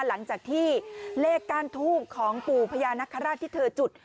หลังจากที่เลขก้านทูบของปู่พญานคราชที่เธอจุด